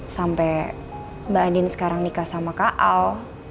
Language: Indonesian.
sampai mbak din sekarang nikah sama kak al